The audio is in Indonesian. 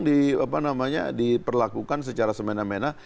banyak sekali orang di apa namanya diperlakukan secara semena mena